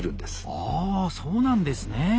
あそうなんですね。